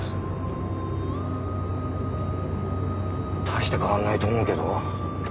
大して変わんないと思うけど。